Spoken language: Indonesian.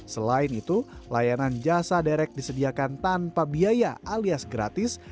selain itu layanan jasa derek disediakan tanpa biaya alias gratis